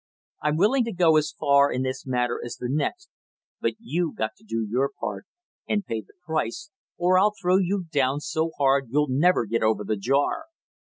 I'm willing to go as far in this matter as the next, but you got to do your part and pay the price, or I'll throw you down so hard you'll never get over the jar!"